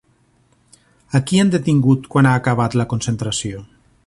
A qui han detingut quan ha acabat la concentració?